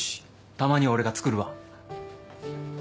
たまには俺が作るわ。